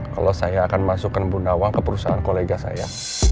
kalau saya akan masukkan bu nawang ke perusahaan kolega saya